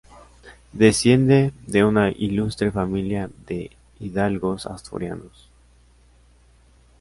Desciende de una ilustre familia de hidalgos asturianos.